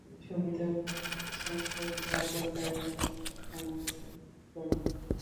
ছবিতে অভিনয় করেছেন শহীদ কাপুর, কারিনা কাপুর খান, আলিয়া ভাট প্রমুখ।